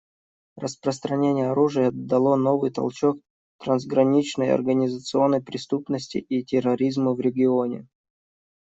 Распространение оружия дало новый толчок трансграничной организованной преступности и терроризму в регионе.